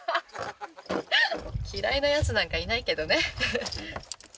嫌いなやつなんかいないけどね。